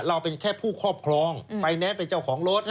เราเป็นแค่ผู้ครอบครองไฟแนนซ์เป็นเจ้าของรถ